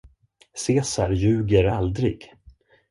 Cesar ljuger aldrig.